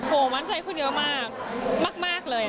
โหมั่นใจขึ้นเยอะมากมากเลย